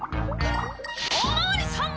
おまわりさん！